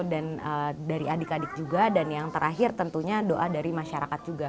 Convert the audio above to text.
dan dari adik adik juga dan yang terakhir tentunya doa dari masyarakat juga